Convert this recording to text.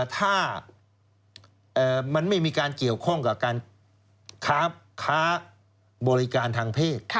ถ้ามันไม่มีการเกี่ยวข้องกับการค้าบริการทางเพศ